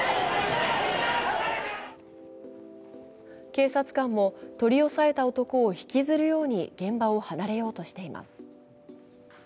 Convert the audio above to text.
警察官も、取り押さえた男を引きずるように現場を離れようとしています。